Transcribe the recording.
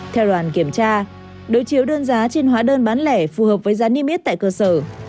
theo đoàn kiểm tra đối chiếu đơn giá trên hóa đơn bán lẻ phù hợp với giá niêm yết tại cơ sở